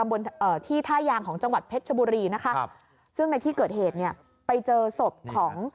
เอ่อที่ท่ายางของจังหวัดเพชรชบุรีนะคะครับซึ่งในที่เกิดเหตุเนี่ยไปเจอศพของ